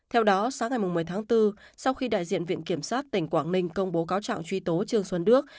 theo đó sáng ngày một mươi tháng bốn sau khi đại diện viện kiểm sát tỉnh quảng ninh công bố cáo trạng truy tố trương xuân đức